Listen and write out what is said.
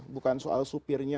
bukan soal supirnya